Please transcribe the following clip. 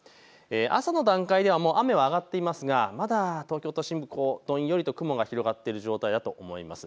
朝の段階では雨が上がっていますがまだ東京都心、どんよりと雲が広がっている状態だと思います。